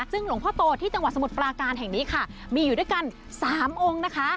ซึ่งหลวงพ่อโตที่จังหวัดสมุทรปราการแห่งนี้ค่ะมีอยู่ด้วยกัน๓องค์นะคะ